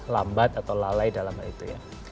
lambat atau lalai dalam hal itu ya